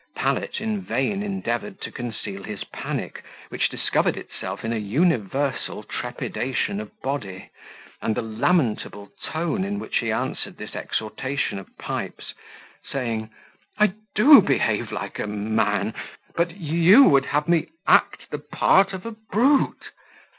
Pallet in vain endeavoured to conceal his panic, which discovered itself in a universal trepidation of body, and the lamentable tone in which he answered this exhortation of Pipes, saying, "I do behave like a man; but you would have me act the part of a brute.